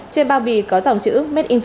trên bao bì phát hiện